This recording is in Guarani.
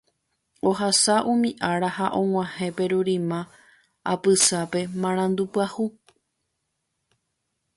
Ohasa umi ára ha og̃uahẽ Perurima apysápe marandu pyahu.